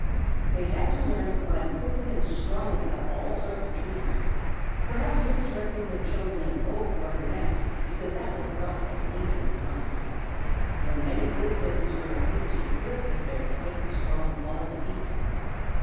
They had to learn to climb quickly and strongly up all sorts of trees. Perhaps Mrs. Raccoon had chosen an oak for her nest because that was rough and easily climbed. There were many good places for Raccoons to grip with their twenty strong claws apiece.